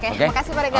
oke makasih pak regar